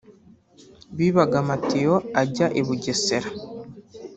bibaga amatiyo ajya i Bugesera